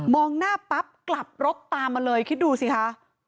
หน้าปั๊บกลับรถตามมาเลยคิดดูสิคะ